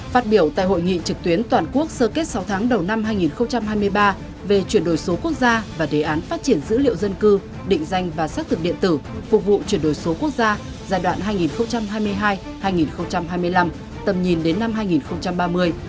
phát biểu tại hội nghị trực tuyến toàn quốc sơ kết sáu tháng đầu năm hai nghìn hai mươi ba về chuyển đổi số quốc gia và đề án phát triển dữ liệu dân cư định danh và xác thực điện tử phục vụ chuyển đổi số quốc gia giai đoạn hai nghìn hai mươi hai hai nghìn hai mươi năm tầm nhìn đến năm hai nghìn ba mươi